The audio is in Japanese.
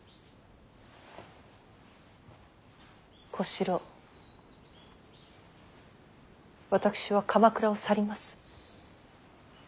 小四郎私は鎌倉を去ります。